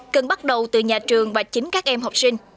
cần bắt đầu từ nhà trường và chính các em học sinh